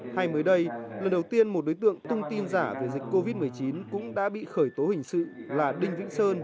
hay mới đây lần đầu tiên một đối tượng tung tin giả về dịch covid một mươi chín cũng đã bị khởi tố hình sự là đinh vĩnh sơn